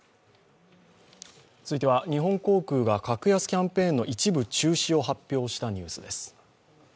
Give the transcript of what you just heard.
続いては、日本航空が格安キャンペーンの一部中止を発表したニュースです。